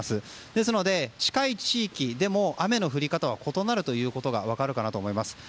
ですので、近い地域でも雨の降り方が異なることが分かるかなと思います。